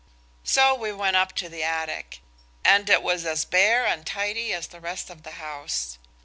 So we went up to the attic. And it was as bare and tidy as the rest of the house.